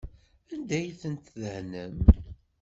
Anda ay tent-tdehnem?